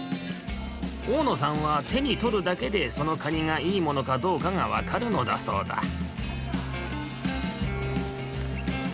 大野さんはてにとるだけでそのカニがいいものかどうかがわかるのだそうだ